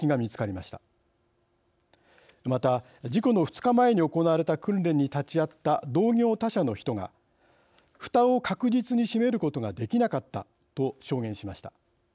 また事故の２日前に行われた訓練に立ち会った同業他社の人が「ふたを確実に閉めることができなかった」と証言しました。